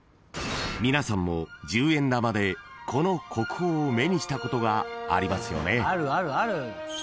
［皆さんも十円玉でこの国宝を目にしたことがありますよね］